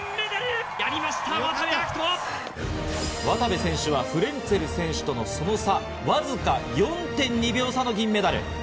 渡部選手はフレンツェル選手とのその差わずか４．２秒差の銀メダル。